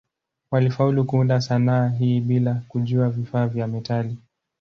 Walifaulu kuunda sanaa hii bila kujua vifaa vya metali.